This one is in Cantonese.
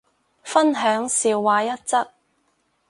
分享笑話一則